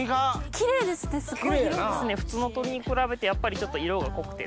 キレイですね普通の鳥に比べてやっぱりちょっと色が濃くて。